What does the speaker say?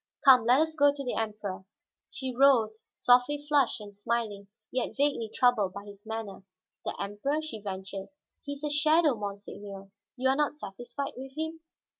Come, let us go to the Emperor." She rose, softly flushed and smiling, yet vaguely troubled by his manner. "The Emperor?" she ventured. "He is a shadow, monseigneur! You are not satisfied with him?"